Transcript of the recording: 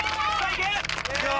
いくよ！